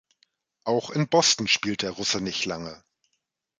Auch in Boston spielte der Russe nicht lange.